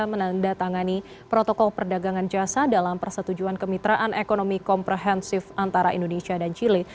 menandatangani protokol perdagangan jasa dalam persetujuan kemitraan ekonomi komprehensif antara indonesia dan chile